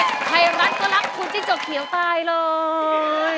ไทยรัฐก็รักคุณจิ้งจกเขียวตายเลย